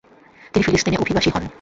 তিনি ফিলিস্তিনে অভিবাসী হন।